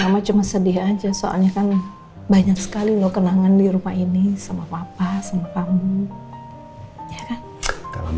sama cuma sedih aja soalnya kan banyak sekali loh kenangan di rumah ini sama papa sama kamu ya kan kalau